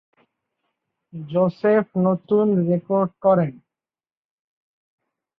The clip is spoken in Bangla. জোসেফ নতুন রেকর্ড করেন।